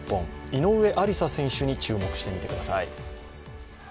井上愛里沙選手に注目して見てください。